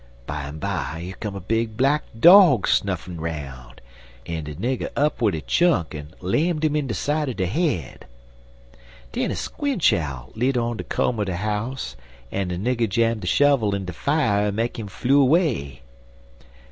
Bimeby, yer come a big black dog snuffin' roun', en de nigger up wid a chunk en lammed 'im side er de head. Den a squinch owl lit on de koam er de house, en de nigger jam de shovel in de fier en make 'im flew away.